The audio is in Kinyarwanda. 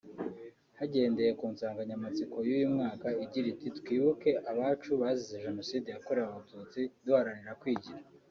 Hagendewe ku nsanganyamatsiko y’uyu mwaka igira iti “Twibuke abacu bazize Jenoside yakorewe Abatutsi duharanira kwigira”